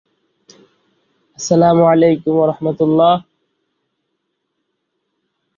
শাহজাহান তাকে আগ্রার মধ্যখানে একটি বিশাল প্রাসাদ দেওয়ার বদলে জমিটি নেন।